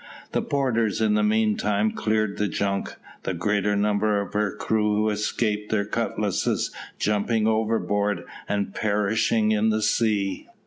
The boarders in the meantime cleared the junk, the greater number of her crew who escaped their cutlasses jumping overboard and perishing in the sea.